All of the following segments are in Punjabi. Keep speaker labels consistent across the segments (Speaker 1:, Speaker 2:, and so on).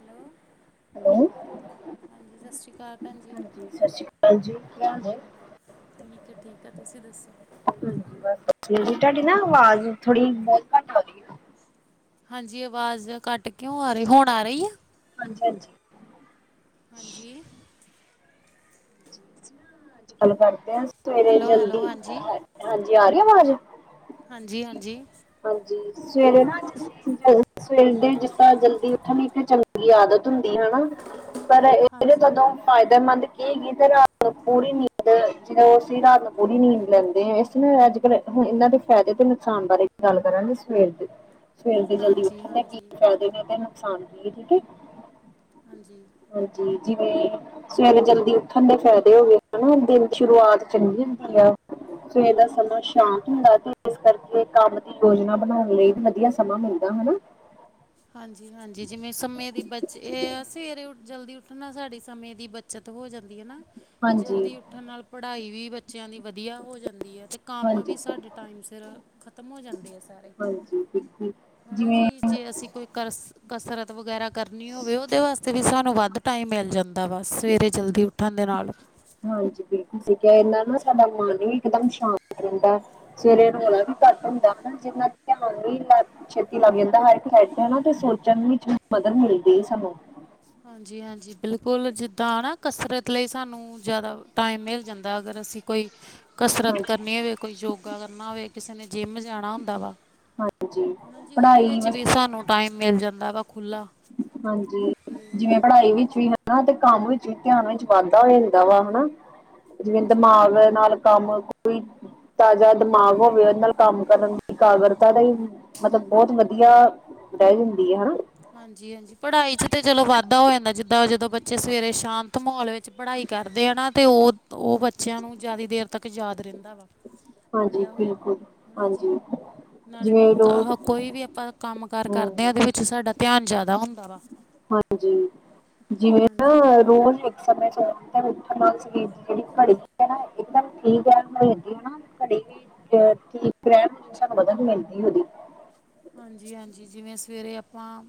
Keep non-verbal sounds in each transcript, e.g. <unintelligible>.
Speaker 1: ਹੈਲੋ
Speaker 2: ਹੈਲੋ
Speaker 1: ਹਾਂਜੀ ਸਤਿ ਸ਼੍ਰੀ ਅਕਾਲ ਭੈਣ ਜੀ
Speaker 2: ਹਾਂਜੀ ਸਤਿ ਸ਼੍ਰੀ <unintelligible>
Speaker 1: ਠੀਕ ਹੈ ਠੀਕ ਆ ਤੁਸੀਂ ਦੱਸੋ
Speaker 2: ਹਾਂਜੀ ਬਸ ਵਧੀਆ ਤੁਹਾਡੀ ਨਾ ਆਵਾਜ਼ ਥੋੜੀ ਬਹੁਤ ਘੱਟ ਆਉਦੀ ਆ
Speaker 1: ਹਾਂਜੀ ਅਵਾਜ਼ ਘੱਟ ਕਿਉਂ ਆ ਰਹੀ ਹੁਣ ਆ ਰਹੀ ਆ
Speaker 2: ਹਾਂਜੀ ਹਾਂਜੀ
Speaker 1: ਹਾਂਜੀ
Speaker 2: ਗੱਲ ਕਰਦੇ ਹਾਂ ਸਵੇਰੇ
Speaker 1: ਹੈਲੋ ਹੈਲੋ
Speaker 2: ਜਲਦੀ
Speaker 1: ਹਾਂਜੀ
Speaker 2: ਹਾਂਜੀ ਆ ਰਹੀ ਆਵਾਜ਼
Speaker 1: ਹਾਂਜੀ ਹਾਂਜੀ
Speaker 2: ਹਾਂਜੀ ਸਵੇਰੇ ਨਾ ਸਵੇਰ ਦੇ ਜਿਸਦਾਂ ਜਲਦੀ ਉੱਠਣ ਚੰਗੀ ਆਦਤ ਹੁੰਦੀ ਹੈਨਾ ਪਰ ਇਹਦੇ
Speaker 1: ਹਾਂਜੀ।
Speaker 2: ਕਦੋਂ ਫਾਇਦਾ ਮੰਦ ਕੀ ਗ ਤੇ ਰਾਤ ਨੂੰ ਪੂਰੀ ਨੀਂਦ ਜਦੋਂ ਰਾਤ ਨੂੰ ਪੂਰੀ ਨੀਂਦ ਲੈਂਦੇ ਇਸ ਲਈ ਅੱਜ ਕੱਲੁ ਇਹਨਾਂ ਦੇ ਫ਼ੈਦੇ ਤੇ ਨੁਕਸਾਨ ਬਾਰੇ ਗੱਲ ਕਰਾਂਗੇ ਸਵੇਰ ਦੀ ਸਵੇਰ ਦੇ ਜਲਦੀ
Speaker 1: ਹਾਂਜੀ
Speaker 2: ਉੱਠਣ ਦੇ ਕੀ
Speaker 1: ਹਾਂਜੀ
Speaker 2: ਫੈਦੇ ਨੇ ਤੈਨੂੰ ਨੁਕਸਾਨ ਕੀਏ ਠੀਕ ਹੈ
Speaker 1: ਹਾਂਜੀ
Speaker 2: ਹਾਂਜੀ ਜਿਵੇਂ ਸਵੇਰੇ ਜਲਦੀ ਉਠਣ ਦੇ ਫਾਇਦੇ ਹੋ ਗਏ ਹੈਨਾ ਦਿਨ ਸ਼ੁਰੂਆਤ ਚੰਗੀ ਹੋਂਦੀ ਆ ਸਵੇਰ ਦਾ ਸਮਾਂ ਸ਼ਾਂਤ ਹੁੰਦਾ ਤੇ ਇਸ ਕਰਕੇ ਕੰਮ ਯੋਜਨਾ ਬਣਾਉਣ ਲਈ ਵੀ ਵਧੀਆ ਸਮਾਂ ਮਿਲਦਾ ਹੈਨਾ
Speaker 1: ਹਾਂਜੀ ਹਾਂਜੀ ਜਿਵੇਂ ਸਮੇਂ ਦੀ ਬਚ ਇਹ ਆ ਸਵੇਰੇ ਜਲਦੀ ਉੱਠ ਉੱਠਣ ਨਾਲ ਸਾਡੀ ਸਮੇਂ ਦੀ ਬੱਚਤ ਹੋ ਜਾਂਦੀ ਹੈ ਨਾ
Speaker 2: ਹਾਂਜੀ
Speaker 1: ਜਲਦੀ ਉੱਠਣ ਨਾਲ ਪੜ੍ਹਾਈ ਵੀ ਬੱਚਿਆਂ ਦੀ ਵਧੀਆ ਹੋ ਜਾਂਦੀ ਹੈ ਅਤੇ ਕੰਮ
Speaker 2: ਹਾਂਜੀ
Speaker 1: ਵੀ ਸਾਡੇ ਟਾਈਮ ਸਿਰ ਖਤਮ ਹੋ ਜਾਂਦੇ ਆ ਸਾਰੇ
Speaker 2: ਹਾਂਜੀ ਬਿਲਕੁਲ
Speaker 1: ਹੈਨਾ
Speaker 2: ਜਿਵੇਂ
Speaker 1: ਜੀ ਜੇ ਅਸੀਂ ਕੋਈ ਕਰਸ- ਕਸਰਤ ਵਗੈਰਾ ਕਰਨੀ ਹੋਵੇ ਉਹਦੇ ਵਾਸਤੇ ਵੀ ਸਾਨੂੰ ਵੱਧ ਟਾਈਮ ਮਿਲ ਜਾਂਦੈ ਦਾ ਬਸ ਸਵੇਰੇ ਜਲਦੀ ਉੱਠਣ ਦੇ ਨਾਲ
Speaker 2: ਅਸੀਂ ਕਿਹਾ ਇਹ ਨਾਲ ਨਾ ਸਾਡਾ ਮਨ ਵੀ ਇੱਕਦਮ ਸ਼ਾਂਤ ਰਹਿੰਦਾ ਸਵੇਰੇ ਰੌਲਾ ਵੀ ਘੱਟ ਹੁੰਦਾ ਧਿਆਨ ਵੀ ਛੇਤੀ ਲੱਗ ਜਾਂਦਾ ਹਰ ਇੱਕ ਸਾਈਡ ਤੇ ਹੈਨਾ ਤੇ ਸੋਚਣ ਵਿੱਚ ਵੀ ਮਦਦ ਮਿਲਦੀ ਸਾਨੂੰ <unintelligible>
Speaker 1: ਹਾਂਜੀ ਹਾਂਜੀ ਬਿਲਕੁਲ ਜਿੱਦਾਂ ਨਾ ਕਸਰਤ ਲਈ ਸਾਨੂੰ ਜ਼ਿਆਦਾ ਟਾਈਮ ਮਿਲ ਜਾਂਦਾ ਅਗਰ ਅਸੀਂ ਕੋਈ ਕਸਰਤ
Speaker 2: ਹਾਂਜੀ
Speaker 1: ਕਰਨੀ ਹੋਵੇ ਕੋਈ ਯੋਗਾ ਕਰਨਾ ਹੋਵੇ ਕਿਸੇ ਨੇ ਜਿੰਮ ਜਾਣਾ ਹੁੰਦਾ ਵਾ
Speaker 2: ਹਾਂਜੀ
Speaker 1: ਹੈ ਨਾ ਜੀ ਉਹਦੇ
Speaker 2: ਪੜ੍ਹਾਈ
Speaker 1: ਵਿੱਚ ਵੀ
Speaker 2: ਵਾਸਤੇ
Speaker 1: ਸਾਨੂੰ ਟਾਈਮ ਮਿਲ ਜਾਂਦਾ ਵਾ ਖੁੱਲ੍ਹਾ
Speaker 2: ਹਾਂਜੀ ਜਿਵੇਂ ਪੜ੍ਹਾਈ ਵਿੱਚ
Speaker 1: ਹਾਂਜੀ
Speaker 2: ਵੀ ਹੈ ਨਾ ਤੇ ਕੰਮ ਵਿੱਚ ਧਿਆਨ ਵਿੱਚ ਵਾਧਾ ਹੋ ਜਾਂਦਾ ਵਾ ਹੈਨਾ ਜਿਵੇਂ
Speaker 1: ਹਾਂਜੀ
Speaker 2: ਦਿਮਾਗ ਨਾਲ ਕੰਮ ਕੋਈ ਤਾਜ਼ਾ ਦਿਮਾਗ ਹੋਵੇ ਉਹਦੇ ਨਾਲ ਕੰਮ ਕਰਨ ਦੀ ਕਾਗਰਤਾ ਦਾ ਹੀ ਮਤਲਬ ਬਹੁਤ ਵਧੀਆ ਬਹਿ ਜਾਂਦੀ ਹੈ ਹੈਨਾ
Speaker 1: ਹਾਂਜੀ ਹਾਂਜੀ ਪੜ੍ਹਾਈ ਚ ਤੇ ਚਲੋ ਵਾਧਾ ਹੋ ਜਾਂਦਾ ਜਿੱਦਾਂ ਜਦੋਂ ਬੱਚੇ ਸਵੇਰੇ ਸ਼ਾਂਤ ਮਾਹੌਲ ਵਿੱਚ ਪੜ੍ਹਾਈ ਕਰਦੇ ਆ ਨਾ ਤੇ ਉਹ ਉਹ ਬੱਚਿਆਂ ਨੂੰ ਜ਼ਿਆਦਾ ਦੇਰ ਤੱਕ ਯਾਦ ਰਹਿੰਦਾ ਵਾ।
Speaker 2: ਹਾਂਜੀ,
Speaker 1: ਪੜ੍ਹਿਆ ਹੋਇਆ ਹੈ
Speaker 2: ਬਿਲਕੁਲ,
Speaker 1: ਨਾ ਜੀ
Speaker 2: ਹਾਂਜੀ।
Speaker 1: ਨਾਲੇ
Speaker 2: ਜਿਵੇਂ ਰੋਜ਼
Speaker 1: ਕੋਈ ਵੀ ਆਪਾਂ ਕੰਮ ਕਾਰ ਕਰਦੇ
Speaker 2: ਹਮ
Speaker 1: ਹਾਂ ਉਹਦੇ ਵਿੱਚ ਸਾਡਾ ਧਿਆਨ ਜਾਦਾ ਹੁੰਦਾ ਵਾ।
Speaker 2: ਹਾਂਜੀ, ਜਿਵੇਂ
Speaker 1: ਹਾਂਜੀ
Speaker 2: ਨਾ ਰੋਜ਼ ਇਕ ਸਮੇਂ ਉਠ ਮਸ ਕਿਹੜੀ ਘੜੀ <unintelligible> ਇੱਕਦਮ ਠੀਕ ਏ ਮ ਹੈਗੀ ਏ ਨਾ ਘੜੀ ਵੀ ਠੀਕ ਰਹਿਣ ਸਾਨੂੰ ਮਦਦ ਮਿਲਦੀ ਉਹਦੀ।
Speaker 1: ਹਾਂਜੀ, ਹਾਂਜੀ, ਜਿਵੇਂ ਸਵੇਰੇ ਆਪਾਂ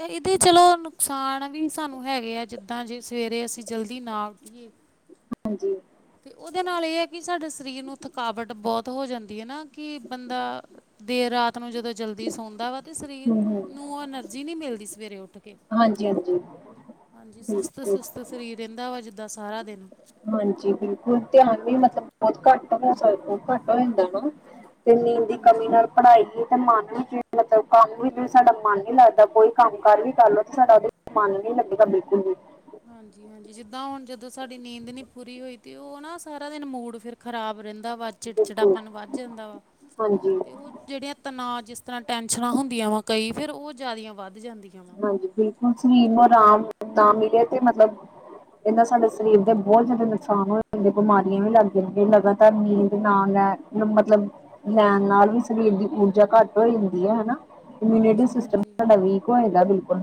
Speaker 1: ਇਹਦੇ ਚਲੋ ਨੁਕਸਾਨ ਵੀ ਸਾਨੂੰ ਹੈਗੇ ਆ ਜਿੱਦਾਂ ਜੇ ਸਵੇਰੇ ਅਸੀਂ ਜਲਦੀ ਨਾ ਉੱਠੀਏ
Speaker 2: ਹਾਂਜੀ
Speaker 1: ਤੇ ਉਹਦੇ ਨਾਲ ਏ ਹੈ ਕਿ ਸਾਡੇ ਸਰੀਰ ਨੂੰ ਥਕਾਵਟ ਬੋਤ ਹੋ ਜਾਂਦੀ ਹਏ ਨਾ ਕਿ ਬੰਦਾ ਦੇਰ ਰਾਤ ਨੂੰ ਜਦੋਂ ਜਲਦੀ ਸੌਂਦਾ ਵਾ ਤੇ ਸਰੀਰ
Speaker 2: ਹੂੰ ਹੂੰ
Speaker 1: ਨੂੰ ਉਹ ਐਨਰਜੀ ਨੀ ਮਿਲਦੀ ਸਵੇਰੇ ਉੱਠ ਕੇ।
Speaker 2: ਹਾਂਜੀ ਹਾਂਜੀ
Speaker 1: ਹਾਂਜੀ, ਸੁਸਤ
Speaker 2: ਬਿਲਕੁਲ
Speaker 1: ਸੁਸਤ ਸਰੀਰ ਰਹਿੰਦਾ ਵਾ ਜਿੱਦਾਂ ਸਾਰਾ ਦਿਨ।
Speaker 2: ਹਾਂਜੀ, ਬਿਲਕੁਲ ਧਿਆਨ ਵੀ ਮਤਲਬ ਬਹੁਤ ਘੱਟ ਹੋ ਸਕ ਘੱਟ ਹੋ ਜਾਂਦਾ ਨਾ। ਤੇ ਨੀਂਦ ਦੀ ਕਮੀ
Speaker 1: ਹਾਂਜੀ।
Speaker 2: ਨਾਲ ਪਣਾਈ ਹੀ ਤੇ ਮਨ ਵੀ ਮਤਲਬ ਕੰਮ ਵੀ ਸਾਡਾ ਮਨ ਨੀ ਲੱਗਦਾ ਕੋਈ ਕੰਮ ਕਾਰ ਵੀ ਕਰ ਲਓ ਤੇ ਸਾਡਾ ਉਹਦੇ ਮਨ ਨੀ ਲੱਗੇਗਾ <unintelligible>
Speaker 1: ਹਾਂਜੀ, ਹਾਂਜੀ, ਜਿੱਦਾਂ ਹੁਣ ਜਦੋਂ ਸਾਡੀ ਨੀਂਦ ਨੀ ਪੂਰੀ ਹੋਈ ਤੇ ਉਹ ਨਾ ਸਾਰਾ ਦਿਨ ਮੂਡ ਫਿਰ ਖ਼ਰਾਬ ਰਹਿੰਦ ਦਾ ਵਾ
Speaker 2: ਬਿਲਕੁਲ
Speaker 1: ਚਿੜਚਿੜਾਪਨ ਵੱਧ ਜਾਂਦਾ ਵਾ,
Speaker 2: ਹਾਂਜੀ
Speaker 1: ਤੇ ਉਹ ਜਿਹੜੀਆਂ ਤਨਾਜ ਜਿਸ ਤਰ੍ਹਾਂ ਟੈਨਸ਼ਨਾਂ ਹੁੰਦੀਆਂ ਵਾ ਕਈ ਫੇਰ ਉਹ ਜਾਂਦਿਇਆ ਵੱਧ ਜਾਂਦੀਆਂ ਵਾ।
Speaker 2: ਹਾਂਜੀ, ਬਿਲਕੁਲ ਸਰੀਮ ਨੂੰ ਰਾਮ ਨ ਮਿਲਿਆ ਤੇ ਮਤਲਬ ਇਹਨਾ ਸਾਡੇ ਸਰੀਰ ਦੇ ਬਹੁਤ ਜ਼ਿਆਦਾ ਨੁਕਸਾਨ ਹੋ ਜਾਂਦੇ ਬਿਮਾਰੀਆਂ ਵੀ ਲੱਗ ਜਾਂਦੀਆਂ ਲਗਾਤਾਰ ਨੀਂਦ ਨਾ ਮਤਲਬ ਲੈਣ ਨਾਲ ਵੀ ਸਰੀਰ ਦੀ ਊਰਜਾ ਘੱਟ ਹੋ ਜਾਂਦੀ ਹੈ ਹਨਾ। ਇਮੀਿਊਨਿਟੀ ਸਿਸਟਮ
Speaker 1: ਹਾਂਜੀ-ਹਾਂਜੀ,
Speaker 2: ਸਾਡਾ ਵੀਕ ਹੋ ਜਾਂਦਾ ਬਿਲਕੁਲ।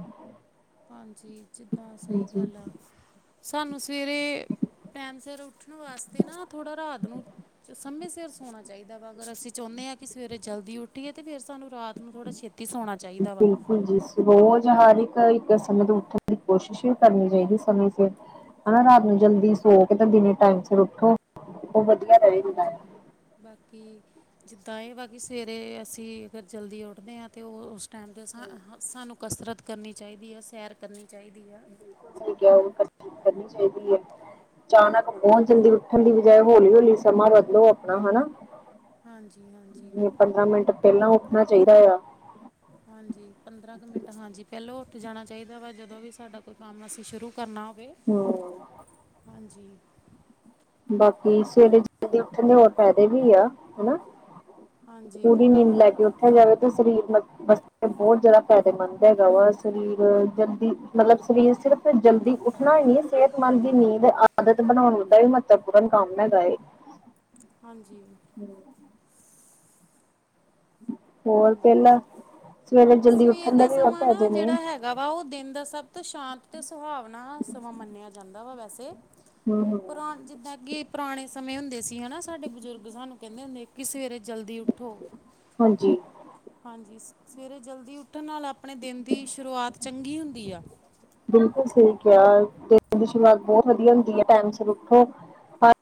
Speaker 1: ਹਾਂਜੀ, ਜਿੱਦਾਂ ਸਹੀ
Speaker 2: ਹਾਂਜੀ।
Speaker 1: ਗੱਲ ਆ, ਸਾਨੂੰ ਸਵੇਰੇ ਟੈਮ ਸਿਰ ਉੱਠਣ ਵਾਸਤੇ ਨਾ ਥੋੜਾ ਰਾਤ ਨੂੰ ਸਮੇਂ ਸਿਰ ਸੋਣਾ ਚਾਹੀਦਾ ਵਾ, ਅਗਰ ਅਸੀਂ ਚਉਣੇ ਹਾਂ ਕਿ ਸਵੇਰੇ ਜਲਦੀ ਉੱਠੀਏ ਤੇ ਫੇਰ ਸਾਨੂੰ ਰਾਤ ਨੂੰ ਥੋੜ੍ਹਾ ਛੇਤ
Speaker 2: ਬਿਲਕੁਲ ਜੀ ਰੋਜ਼ ਹਰ ਇੱਕ ਇੱਕ ਸਮੇਂ ਤੋਂ ਉੱਠਣ ਦੀ ਕੋਸ਼ਿਸ਼ ਹੀ ਕਰਨੀ ਚਾਹੀਦੀ ਸਮੇਂ ਸਿਰ ਹਨਾ ਰਾਤ ਨੂੰ ਜਲਦੀ ਸੋ ਕੇ ਦਿਨ ਟਾਈਮ ਸ ਉੱਠੋ <unintelligible>
Speaker 1: ਹਾਂਜੀ,
Speaker 2: ਰਹੇਗਾ।
Speaker 1: ਬਾਕੀ ਜਿੱਦਾਂ ਇਹ ਵਾ ਕਿ ਸਵੇਰੇ ਅਸੀਂ ਅਗਰ ਜਲਦੀ ਉੱਠਦੇ ਹਾਂ ਤੇ ਉਹ ਉਸ ਟੈਮ ਦੇ ਸਾਨੂੰ ਕਸਰਤ ਕਰਨੀ ਚਾਹੀਦੀ ਐ ਸੈਰ ਕਰਨੀ ਚਾਹੀਦੀ ਆ
Speaker 2: ਬਿਲਕੁਲ, ਸਹੀ ਕਹਿ ਰੇ ਹ, ਕਰਨੀ ਚਾਹੀਦੀ ਐ। ਅਚਾਨਕ ਬੋਤ ਜਲਦੀ ਉੱਠਣ ਦੀ ਬਜਾਏ ਹੌਲੀ ਹੌਲੀ ਸਮਾਂ ਬਦਲੋ ਆਪਣਾ ਹਨਾ।
Speaker 1: ਹਾਂਜੀ ਹਾਂਜੀ
Speaker 2: ਪੰਦਰਾਂ ਮਿੰਟ ਪਹਿਲਾਂ ਉੱਠਣਾ ਚਾਹੀਦਾ ਆ।
Speaker 1: ਹਾਂਜੀ, ਪੰਦਰਾਂ ਕੁ ਮਿੰਟ, ਹਾਂਜੀ, ਪਹਿਲੋ ਜਾਣਾ ਚਾਹੀਦਾ ਵਾ ਜਦੋਂ ਵੀ ਸਾਡਾ ਕੋਈ ਕੰਮ ਅਸੀਂ ਸ਼ੁਰੂ ਕਰਨਾ ਹੋਵੇ,
Speaker 2: ਹੂੰ।
Speaker 1: ਹਾਂਜੀ। ਜੀ।
Speaker 2: ਬਾਕੀ ਸਵੇਰੇ ਜਲਦੀ ਉੱਠਣ ਦੇ ਹੋਰ ਫੈਦੇ ਵੀ ਆ ਹਨਾ।
Speaker 1: ਹਾਂਜੀ
Speaker 2: ਪੂਰੀ ਨੀਂਦ ਲੈ ਕੇ ਉ ਜਾਵੇ ਤਾਂ ਸਰੀਰਸ ਬਹੁਤ ਜ਼ਿਆਦਾ ਫਾਇਦੇਮੰਦ ਹੈਗਾ ਵਾ ਸਰੀਰ ਜਲਦੀ ਮਤਲਬ ਸਰੀਰ ਸਿਰਫ਼ ਜਲਦੀ ਉੱਠਣਾ ਹੀ ਨਹੀਂ ਸਿਹਤਮੰਦ ਦੀ ਨੀਂਦ ਆਦਤ ਬਣਾਉਣ <unintelligible> ਪੂਰਨ ਕਮ ਹੇਗਾ ਏ।
Speaker 1: ਹਾਂਜੀ।
Speaker 2: ਹੋਰ
Speaker 1: ਹਾਂਜੀ,
Speaker 2: ਪਹਿਲਾਂ
Speaker 1: ਹਾਂਜੀ,
Speaker 2: ਸਵੇਰੇ ਜਲਦੀ
Speaker 1: ਸਵੇਰ
Speaker 2: ਉੱਠਣ
Speaker 1: ਦਾ
Speaker 2: ਦੇ ਵੀ ਹੋਰ
Speaker 1: ਸਮਾਂ ਨਾ
Speaker 2: ਫਾਇਦੇ ਨੇ।
Speaker 1: ਜਿਹੜਾ ਹੈਗਾ ਵਾ ਉਹ ਦਿਨ ਦਾ ਸਭ ਤੋਂ ਸ਼ਾਂਤ ਅਤੇ ਸੁਹਾਵਨਾ ਸਮਾਂ ਮੰਨਿਆ ਜਾਂਦਾ ਵਾ ਵੈਸੇ।
Speaker 2: ਹੂੰ ਹੂੰ
Speaker 1: ਪੁਰਾ ਜਿੱਦਾਂ ਕਿ ਪੁਰਾਣੇ ਸਮੇਂ ਹੁੰਦੇ ਸੀ ਹਨਾ ਸਾਡੇ ਬਜ਼ੁਰਗ ਸਾਨੂੰ ਕਹਿੰਦੇ ਹੁੰਦੇ ਕਿ ਸਵੇਰੇ ਜਲਦੀ ਉੱਠੋ।
Speaker 2: ਹਾਂਜੀ
Speaker 1: ਹਾਂਜੀ, ਸਵੇਰੇ ਜਲਦੀ ਉੱਠਣ ਨਾਲ ਆਪਣੇ ਦਿਨ ਦੀ ਸ਼ੁਰੂਆਤ ਚੰਗੀ ਹੁੰਦੀ ਆ।
Speaker 2: ਬਿਲਕੁਲ, ਸਹੀ ਕਿਹਾ, ਦਿਨ ਦੀ ਸ਼ੁਰੂਆਤ ਬਹੁਤ ਵਧੀਆ ਹੁੰਦੀ ਐ ਟੈਮ ਸਿਰ ਉੱਠੋ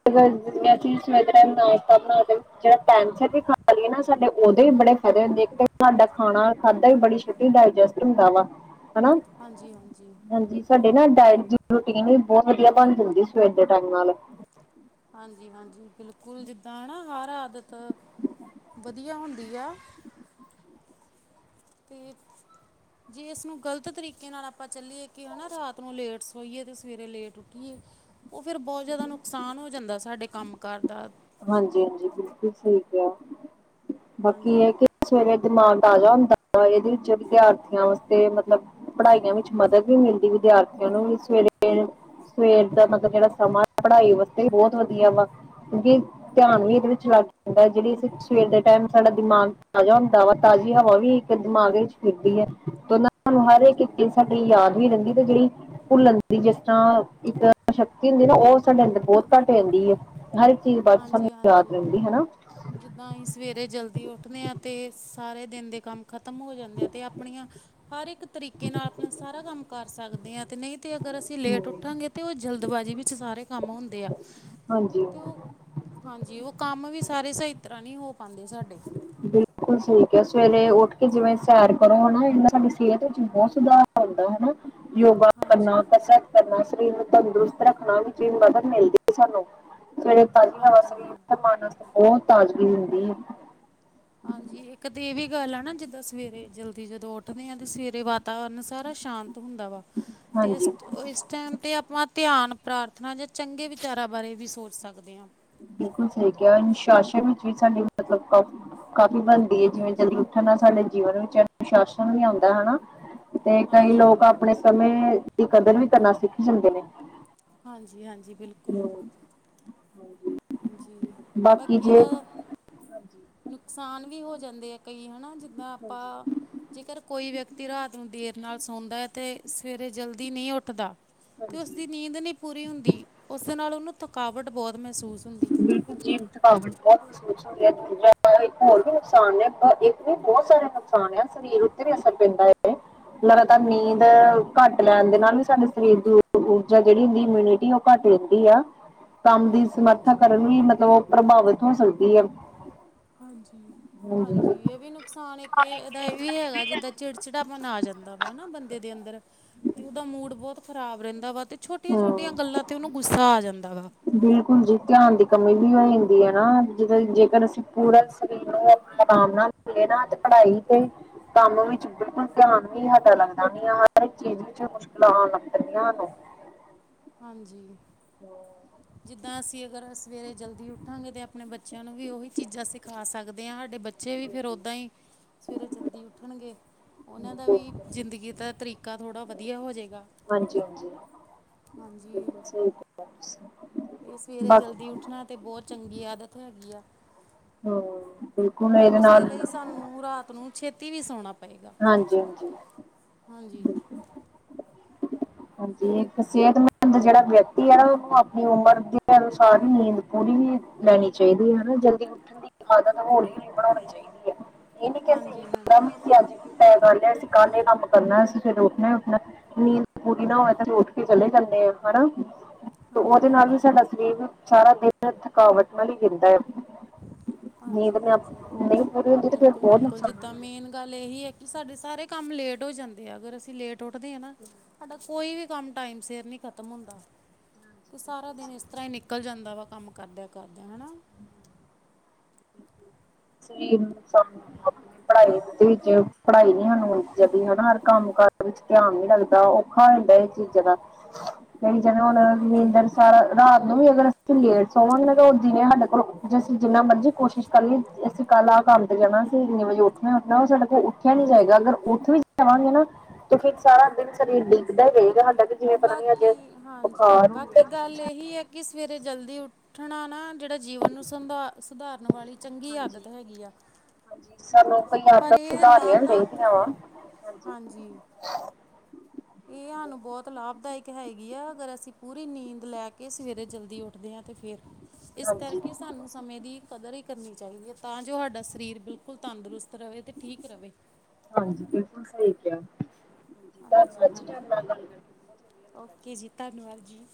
Speaker 2: ਿਵੇਂ ਅਸੀਂ ਸਵੇਰੇ ਨਾਸ਼ਤਾ ਬਣਾ ਜਿਹੜਾ ਪੈਂਸਰ ਵੀ ਖਾ ਲਈਏ ਨਾ ਸਾਡੇ ਉਹਦੇ <inaudible> ਏ ਬੜੇ ਫਾਇਦੇ ਹੁੰਦੇ ਕਿ, ਤੁਹਾਡਾ ਖਾਣਾ ਖਾਧਾ ਈ ਬੜੀ ਛੇਤੀ ਡੇਜਸਟ, ਹੁੰਦਾ ਨਾ,?
Speaker 1: ਹਾਂਜੀ ਹਾਂਜੀ
Speaker 2: ਹਾਂਜੀ, ਸਾਡੇ ਨਾ ਡਾਇਟ ਦੀ ਰੋਟੀਨ, ਵੀ ਬਹੁਤ ਵਧੀਆ, ਬਣ ਜਾਂਦੀ ਸਵੇਰ ਦੇ ਟਾਇਮ ਨਾਲ।
Speaker 1: ਹਾਂਜੀ ਹਾਂਜੀ ਬਿਲਕੁਲ, ਜਿੱਦਾਂ ਨਾਾ ਹਰ ਆਦਤ ਵਧੀਆ, ਹੁੰਦੀ ਆ? ਅਤੇ? ਜੇ, ਇਸਨੂੰ ਗ਼ਲਤ ਤਰੀਕੇ ਨਾਲ ਆਪਾਂ ਚੱਲੀਏ ਕਿ, ਹਨਾ ਰਾਤ, ਨੂੰ ਲੇਟ ਸੋਈਏ ਤੇ ਸਵੇਰੇ ਲੇਟ ਉੱਠੀਏ। ਉਹ ਫੇਿਰ ਬਹੁਤ ਜਿਆਦਾ ਨੁਕਸਾਨ, ਹੋ ਜਾਂਦਾ ਸਾਡੇ ਕੰਮ ਕਾਰ ਦਾ?
Speaker 2: ਹਾਂਜੀ ਹਾਂਜੀ ਬਿਲਕੁਲ ਸਹੀ ਕਿਆ, ਬਾਕੀ
Speaker 1: ਹਾਂਜੀ
Speaker 2: ਇਹ ਕਿ ਦਿਮਾਗ ਤਾਜ਼ਾ ਹੁੰਦਾ ਏ, ਇਹਦੇ ਵਿੱਚ ਵਿਦਿਆਰਥੀਆਂ, ਵਾਸਤੇ ਪੜ੍ਹਾਈਆਂ ਵਿੱਚ ਮਦਦ ਵੀ ਮਿਲਦੀ ਏ। 'ਵਿਦਿਆਰਥੀਆਂ, ਨੂੰ ਵੀ ਸਵੇਰੇ ਸਵੇਰ ਦਾ ਮਤਲਬ, ਜਿਹੜਾ ਸਮਾਂ ਪੜ੍ਹਾਈ ਵਾਸਤੇ ਬਹੁਤ ਵਧੀਆ ਵਾ, ਕਿਉਂਕਿ? ਧਿਆਨ ਵੀ ਇਹਦੇ ਵਿੱਚ ਲੱਗ ਜਾਂਦਾ ਹੈ ਜਿਹੜੀ ਸਵੇਰ ਦੇ ਟਾਈਮ, ਸਾਡਾ ਦਿਮਾਗ ਤਾਜ਼ਾ ਹੁੰਦਾ ਵਾ, ਤਾਜ਼ੀ ਹਵਾ ਵੀ ਇੱਕ ਦਿਮਾਗ ਵਿੱਚ ਫਿਰਦੀ ਐ ਤੇ ਉਹਨਾਂ ਇੱਕ
Speaker 1: ਹਾਂਜੀ
Speaker 2: ਇੱਕ ਸਾਨੂੰ ਸਾਡੀ <inaudible> ਨਾਲ ਹੀ ਭੁੱਲਣ ਦੀ, ਜਿਸ ਤਰ੍ਹਾਂ ਇੱਕ ਸ਼ਕਤੀ ਹੁੰਦੀ ਨਾ, ਉਹ ਸਾਡੇ ਅੰਦਰ ਬਹੁਤ ਘੱਟ ਹੁੰਦੀ ਏ। ਹਰ ਇੱਕ ਚੀਜ਼, ਬ
Speaker 1: ਜੀ ਹਾਂਜੀ, ਜਿੱਦਾਂ ਅਸੀਂ ਸਵੇਰੇ ਜਲਦੀ ਉੱਠਦੇ ਆ ਅਤੇ ਸਾਰੇ ਦਿਨ ਦੇ ਕੰਮ ਖਤਮ ਹੋ ਜਾਂਦੇ ਆ, ਤੇ ਆਪਣੀਆਂ, ਹਰ ਇੱਕ ਤਰੀਕੇ ਨਾਲ, ਆਪਣਾ ਸਾਰਾ ਕੰਮ ਕਰ ਸਕਦੇ ਆ। ਨਹੀਂ ਤੇ ਅ ਪਰ ਅਸੀਂ, ਲੇਟ
Speaker 2: ਹਮ।
Speaker 1: ਉੱਠਾਂਗੇ, ਤੇ ਉਹ ਜਲਦਬਾਜੀ, ਵਿੱਚ ਸਾਰੇ ਕੰਮ ਹੁੰਦੇ ਆ।
Speaker 2: ਹਾਂਜੀ।
Speaker 1: ਤੇ ਉਹ ਹਾਂਜੀ, ਉਹ ਕੰਮ ਵੀ ਸਾਰੇ ਸਹੀ ਤਰ੍ਹਾ ਨੀ ਹੋ ਪਾਉਂਦੇ ਸਾਡੇ ਤੋਂ?
Speaker 2: ਬਿਲਕੁਲ ਸਹੀ ਕਿਹਾ ਸਵੇਰੇ, ਉੱਠ ਕੇ ਜਿਵੇਂ, ਸੈਰ ਕਰੋ ਹਨਾ, ਇਹ ਸਾਡੀ ਸਿਹਤ, ਵਿੱਚ ਬਹੁਤ ਸੁਧਾਰ ਆਉਂਦਾ ਹਨਾ। ਯੋਗਾ ਕਰਨਾ,
Speaker 1: ਹਾਂਜੀ
Speaker 2: ਕਸਰਤ ਕਰਨਾ। ਸਰੀਰ ਨੂੰ। ਤੰਦਰੁਸਤ, ਰੱਖਣਾ ਵਿੱਚ ਵੀ ਮਦਦ ਮਿਲਦੀ ਹੈ। ਸਾਨੂੰ? ਸਵੇਰੇ ਤਾਜੀ ਹਵਾ,
Speaker 1: ਹਾਂਜੀ
Speaker 2: ਸਰੀਰ, ਤੇ
Speaker 1: ਹਾਂਜੀ
Speaker 2: ਮਨ, ਵਾਸਤੇ ਬਹੁਤ ਤਾਜ਼ਗੀ ਦਿੰਦੀ ਏ
Speaker 1: ਹਾਂਜੀ, ਇੱਕ ਤੇ ਇਹ ਵੀ ਗੱਲ ਆ ਨਾ, ਜਦੋ ਸਵੇਰੇ ਜਲਦੀ, ਜਦੋਂ ਉਠਦੇ ਆ ਤੇ, ਸਵੇਰੇ ਵਾਤਾਵਰਨ ਸਾਰਾ ਸ਼ਾਂਤ ਹੁੰਦਾ ਵਾ, ਤੇ
Speaker 2: ਹਾਂਜੀ
Speaker 1: ਇਸ-ਇਸ ਟਾਈਮ, ਤੇ ਆਪਾਂ,? ਧਿਆਨ, ਪ੍ਰਾਰਥਨਾ, ਜਾਂ ਚੰਗੇ ਵਿਚਾਰਾਂ, ਬਾਰੇ ਵੀ ਸੋਚ ਸਕਦੇ ਆ।
Speaker 2: ਬਿਲਕੁਲ ਸਹੀ ਕਿਹਾ, ਅਨੁਸ਼ਾਸਨ ਵਿੱਚ ਵੀ ਸਾਡੀ ਮਤਲਬ ਕਾਫੀ-ਕਾਫੀ ਬਣਦੀ ਐ, ਜਿਵੇਂ ਜਲਦੀ ਉੱਠਣ ਸਾਡੇ ਜੀਵਨ, ਵਿੱਚ ਅਨੁਸ਼ਾਸਨ, ਵੀ ਆਉਂਦਾ ਹਨਾ। ਤੇ ਕਈ
Speaker 1: ਹਾਂਜੀ
Speaker 2: ਲੋਕ, ਆਪਣੇ ਸਮੇਂ, ਦੀ ਕਦਰ ਕਰਨਾ ਵੀ ਸਿੱਖ ਸਕਦੇ ਨੇ।
Speaker 1: ਹਾਂਜੀ, ਹਾਂਜੀ, ਬਿਲਕੁਲ।
Speaker 2: ਹਮ, ਹਾਂਜੀ
Speaker 1: ਹਾਂਜੀ, ਬਾਕੀ ਇਹਦੇ
Speaker 2: ਹਾਂਜੀ,
Speaker 1: ਨੁਕਸਾਨ ਵੀ ਹੋ ਜਾਂਦੇ ਆ? ਕਈ ਹਨਾ, ਜਿੱਦਾਂ
Speaker 2: ਹਾਂਜੀ।
Speaker 1: ਆਪਾਂ, ਜੇਕਰ ਕੋਈ ਵਿਅਕਤੀ? ਅੱਧੀ ਰਾਤ, ਨੂੰ ਦੇਰ ਨਾਲ ਸੌਂਦਾ ਐ ਅਤੇ ਸਵੇਰੇ ਜਲਦੀ ਨਹੀਂ ਉੱਠਦਾ? ਤੇ
Speaker 2: ਹਾਂਜੀ।
Speaker 1: ਉਸਦੀ, ਨੀਂਦ ਨਹੀਂ ਪੂਰੀ ਹੁੰਦੀ। ਉਸ ਨਾਲ ਉਹਨੂੰ ਥਕਾਵਟ, ਬਹੁਤ ਮਹਿਸੂਸ ਹੁੰਦੀ ਹੈ
Speaker 2: ਬਿਲਕੁਲ ਜੀ, ਥਕਾਵਟ ਬਹੁਤ ਮਹਿਸੂਸ ਹੁੰਦੀਆਂ ਦੂਜਿਆ ਨਾਲ ਇੱਕ ਹੋਰ ਵੀ ਨੁਕਸਾਨ ਨੇ, ਆਪਾਂ ਇੱਕ ਬਹੁਤ ਸਾਰੇ ਨੁਕਸਾਨ ਆ, ਸਰੀਰ ਉੱਤੇ ਵੀ ਅਸਰ ਪੈਂਦਾ ਏ ਲਗਾਤਾਰ
Speaker 1: ਹਾਂ
Speaker 2: ਨੀਂਦ, ਘੱਟ? ਡਾਇਟ, ਲੈਣ ਦੇ ਨਾਲ ਵੀ ਸਾਡੇ ਸਰੀਰ ਦੀ ਊਰਜਾ। ਜਿਹੜੀ ਹੁੰਦੀ, ਇਮਿਊਨਿਟੀ ਉਹ ਘੱਟ ਰਹਿੰਦੀ ਆ। ਕੰਮ ਦੀ
Speaker 1: ਹਾਂਜੀ
Speaker 2: ਸਮਰੱਥਾ,
Speaker 1: ਹਾਂਜੀ
Speaker 2: ਕਰਨ ਲਈ ਮਤਲਬ, ਉਹ ਪ੍ਰਭਾਵਿਤ ਹੋ ਸਕਦੀ ਆ।
Speaker 1: ਹਾਂਜੀ, ਹਾਂਜੀ, ਇਹ ਵੀ ਨੁਕਸਾਨ ਇੱਕ ਇਹਦਾ ਇਹ ਵੀ ਹੈਗਾ ਜਿੱਦਾਂ ਚਿੜਚਿ <inaudible> ੜਾਪਨ ਆ ਜਾਦ ਜਾਂਦਾ ਵਾ ਨਾ, ਬੰਦੇ ਦੇ ਅੰਦਰ ਤੇ ਉਹਦਾ ਮੂਡ ਬਹੁਤ ਮੂਡ ਖ਼ਰਾਬ, ਰਹਿੰਦਾ ਵਾ ਤੇ ਛੋਟੀਆਂ-ਛੋਟੀਆਂ
Speaker 2: ਹੂੰ।
Speaker 1: ਗੱਲਾਂ ਤੇ ਉਹਨੂੰ ਗੁੱਸਾ ਆ ਜਾਂਦਾ। ਵਾ
Speaker 2: ਬਿਲਕੁਲ, ਜੀ ਧਿਆਨ ਦੇ ਕਮੀ ਵੀ ਹੋ ਜਾਂਦੀ ਐ ਨਾ, ਜਿੱਦਾ ਜੇਕਰ ਅਸੀਂ ਪੂਰਾ ਸਰੀਰ ਨੂੰ ਆਰਾਮ, ਨਾ ਦੀਏਏ ਨਾ ਤੇ ਆਪ ਪਾਈ ਤੇ ਕੰਮ ਵਿੱਚ ਬਿਲਕੁਲ ਧਿਆਨ ਵੀ ਹਾਡਾ ਲੱਗਦਾ ਨੀ ਆ, ਹਰ ਚੀਜ਼ ਵਿੱਚ ਮੁਸ਼ਕਲਾਂ ਆਉਣ <unintelligible> ੀਆਂ <unintelligible> <inaudible>
Speaker 1: ਹਾਂਜੀ, ਜਿੱਦਾਂ ਅਸੀਂ? ਅਸੀਂ ਅਗਰ ਸਵੇਰੇ ਜਲਦੀ ਉਠਾਂਗੇ ਤਾਂ ਆਪਣੇ ਬੱਚਿਆਂ ਨੂੰ ਵੀ ਉਹੀ ਚੀਜ਼ਾਂ ਸਿਖਾ ਸਕਦੇ ਆ ਸਾਡੇ ਬੱਚੇ ਬੱਚੇ ਵੀ ਫੇਰ ਓਦਾਂ ਈ ਸਵੇਰੇ ਜਲਦੀ ਉੱਠਣਗੇ।
Speaker 2: ਹਾਂਜੀ।
Speaker 1: ਉਹਨਾਂ ਦਾ
Speaker 2: ਬਿਲਕੁਲ
Speaker 1: ਵੀ ਜ਼ਿੰਦਗੀ ਦਾ ਤਰੀਕਾ ਥੋੜ੍ਹਾ ਵਧੀਆ ਹੋ ਜੇਗਾ।
Speaker 2: ਹਾਂਜੀ ਹਾਂਜੀ।
Speaker 1: ਹਾਂਜੀ।
Speaker 2: ਬਿਲਕੁਲ <unintelligible>
Speaker 1: ਇਹ ਸਵੇਰੇ ਜਲਦੀ
Speaker 2: ਬਾਕੀ
Speaker 1: ਉੱਠਣਾ ਤੇ ਬਹੁਤ ਚੰਗੀ ਆਦਤ ਹੈਗੀ ਆ।
Speaker 2: ਹੂੰ। ਬਿਲਕੁਲ
Speaker 1: ਪਰ
Speaker 2: ਇਹਦੇ
Speaker 1: ਉਸਦੇ
Speaker 2: ਨਾਲ
Speaker 1: ਲਈ ਸਾਨੂੰ ਰਾਤ ਨੂੰ ਛੇਤੀ ਵੀ ਸੋਣਾ
Speaker 2: ਹਾਂਜੀ ਹਾਂਜੀ।
Speaker 1: ਹਾਂਜੀ
Speaker 2: ਹਾਂਜੀ ਇੱਕ ਸਿਹਤਮੰਦ ਜਿਹੜਾ ਵਿਅਕਤੀ ਐ ਉਹਨੂੰ ਆਪਣੀ ਉਮਰ ਦੇ ਅਨੁਸਾਰ ਹੀ ਨੀਂਦ ਪੂਰੀ ਲੈਣੀ ਚਾਹੀਦੀ ਐ ਹੈਨਾ ਜਲਦੀ ਉੱਠਣ ਦੀ ਆਦਤ ਹੋਲੀ ਹੋਲੀ ਬਣਾਉਣੀ ਚਾਹੀਦੀ ਐ। ਇਹ ਨੀ ਕਿ ਅਸੀਂ
Speaker 1: ਹਾਂਜੀ
Speaker 2: ਇਹੀ
Speaker 1: ਹਾਂਜੀ
Speaker 2: ਕਮ ਵੀ ਅਸੀਂ ਅੱਜ ਵੀ ਤਾਂ ਕਰ ਲਈਏ ਅਸੀਂ ਕੱਲ ਏ ਕੰਮ ਕਰਨਾ ਅਸੀਂ ਫ ਉੱਠਣਾ ਹੀ ਉੱਠਣਾ ਨੀਂਦ ਪੂਰੀ ਨਾ ਹੋਵੇ ਤੇ ਉੱਠ ਕੇ ਚਲੇ ਜਾਂਦੇ ਆ ਹਨਾ ਤੇ
Speaker 1: ਹਾਂਜੀ
Speaker 2: ਉਹਦੇ ਨਾਲ ਵੀ
Speaker 1: ਹਾਂਜੀ
Speaker 2: ਸਾਡਾ ਸਰੀਰ ਸਾਰਾ ਦਿਨ ਥਕਾਵਟ ਨਾਲ ਹੀ ਗਿਰਦਾ ਹੈ ਹ <unintelligible>
Speaker 1: ਹਾਂਜੀ ਹਾਂਜੀ
Speaker 2: ਫਿਰ
Speaker 1: ਬਿਲਕੁਲ
Speaker 2: ਬਹੁਤ
Speaker 1: ਬਿਲਕੁਲ
Speaker 2: ਨੁਕਸਾਨ
Speaker 1: ਜਿੱਦਾਂ
Speaker 2: ਹੁੰਦਾ
Speaker 1: ਮੇਨ ਗੱਲ ਇਹੀ ਹੈ ਕਿ ਸਾਡੇ ਸਾਰੇ ਕੰਮ ਲੇਟ ਹੋ ਜਾਂਦੇ ਆ ਅਗਰ ਅਸੀਂ ਲੇਟ ਉੱਠਦੇ ਹਾਂ ਨਾ ਸਾਡਾ ਕੋਈ ਵੀ ਕੰਮ ਟਾਈਮ ਸਿਰ ਨਹੀਂ ਖਤਮ ਹੁੰਦਾ ਤੇ ਸਾਰਾ ਦਿਨ ਇਸ ਤਰ੍ਹਾਂ ਹੀ ਨਿਕਲ ਜਾਂਦਾ ਵਾ ਕੰਮ ਕਰਦਿਆਂ ਕਰਦਿਆਂ ਹਨਾ
Speaker 2: ਸਰੀਰ ਆਪਣੀ ਪੜ੍ਹਾਈ ਦੇ ਵਿਚ <unintelligible> ਹਨਾ ਹ ਕੰਮ ਵਿੱਚ ਧਿਆਨ ਨੀ ਲੱਗਦਾ ਔਖਾ ਹੁੰਦਾ ਇਹ ਚੀਜ਼ਾਂ ਦਾ ਲਈ ਜਾਨਾਂ ਹੁਣ
Speaker 1: ਹਾਂਜੀ
Speaker 2: ਵੀ
Speaker 1: ਹਾਂਜੀ
Speaker 2: ਨੀਂਦਰ ਸਾਰਾ ਰਾਤ ਨੂੰ ਵੀ ਅਗਰ ਸੀਂ ਲੇਟ ਸੋਵਾਂਗੇ ਜਿਵੇਂ ਸਾਡੇ ਕੋਲ ਅਸੀਂ ਜਿੰਨਾ ਮਰਜੀ ਕੋਸ਼ਿਸ਼ ਕਰ ਲਈਏ ਕੱਲ ਆਹ ਕੰਮ ਤੇ ਜਾਣਾ ਸੀ ਇਨੇ ਵਜੇ ਉਠਨਾ ਉਹ ਸਾਡਾ ਉੱਠਿਆ ਨੀ ਜਾਏਗਾ
Speaker 1: ਹਾਂਜੀ
Speaker 2: ਅਗਰ ਉੱਠ ਵੀ ਜਾਵਾਂਗੇ ਨਾ ਤੇ ਫੇਰ ਸਾਰਾ ਦਿਨ ਸ਼ਰੀਰ ਡਿੱਗਦਾ ਹੀ ਰਹੇਗਾ ਕਿ ਜਿਵੇਂ ਪਤਾ ਨੀ ਅੱਜ
Speaker 1: ਬਾਕੀ ਹਾਂਜੀ
Speaker 2: ਬੁਖਾਰ ਹੋ
Speaker 1: ਬਾਕੀ
Speaker 2: ਗਿਆ
Speaker 1: ਗੱਲ ਇਹੀ ਹੈ ਕਿ ਸਵੇਰੇ ਜਲਦੀ ਉੱਠਣਾ ਨਾ ਜਿਹੜਾ ਜੀਵਨ ਨੂੰ ਸੁਧਾਰ ਸੁਧਾਰਨ ਵਾਲੀ ਚੰਗੀ
Speaker 2: ਹਾਂਜੀ
Speaker 1: ਆਦਤ ਹੈਗੀ ਆ
Speaker 2: ਹਾਂਜੀ ਸਾਨੂੰ ਕਈਂ
Speaker 1: ਪਰ
Speaker 2: ਆਦਤਾਂ
Speaker 1: ਇਹ
Speaker 2: ਸੁਧਾਰਨੀਆਂ
Speaker 1: ਲਾਭਦਾਇਕ
Speaker 2: ਚਾਹੀਦੀਆਂ ਵਾ।
Speaker 1: ਹੈ ਹਾਂਜੀ ਇਹ ਸਾਨੂੰ ਬਹੁਤ ਲਾਭਦਾਇਕ ਹੈਗੀ ਆ ਅਗਰ ਅਸੀਂ ਪੂਰੀ ਨੀਂਦ ਲੈ ਕੇ ਸਵੇਰੇ ਜਲਦੀ ਉੱਠਦੇ ਆ ਤੇ ਫਿਰ ਇਸ ਕਰਕੇ
Speaker 2: ਹਾਂਜੀ
Speaker 1: ਸਾਨੂੰ ਸਮੇਂ ਦੀ ਕਦਰ ਵੀ ਕਰਨੀ ਚਾਹੀਦੀ ਹੈ ਤਾਂ ਜੋ ਸਾਡਾ ਸ਼ਰੀਰ ਬਿਲਕੁਲ ਤੰਦਰੁਸਤ ਰਹੇ ਤੇ ਠੀਕ ਰਹੇ
Speaker 2: ਹਾਂਜੀ ਬਿਲਕੁਲ ਸਹੀ ਧੰਨਵਾਦ
Speaker 1: ਹਾਂਜੀ
Speaker 2: ਜੀ
Speaker 1: ਹਾਂਜੀ
Speaker 2: ਧੰਨਵਾਦ
Speaker 1: ਓਕੇ ਜੀ ਧੰਨਵਾਦ ਜੀ